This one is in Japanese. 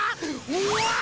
うわ！